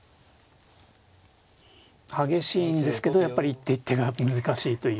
激しいんですけどやっぱり一手一手が難しいという。